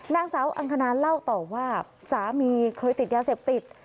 นางสาวอังคณาเล่าต่อว่าสามีเคยติดยาเสพติด